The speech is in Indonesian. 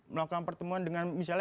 melakukan pertemuan dengan ketua mahasiswa